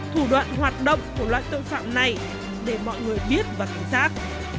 thủ đoạn hoạt động của loại tội phạm này để mọi người biết và kiểm soát